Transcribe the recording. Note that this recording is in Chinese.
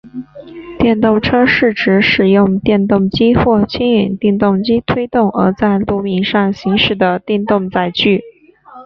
电动车是指使用电动机或牵引电动机推动而在路面上行驶的电动载具。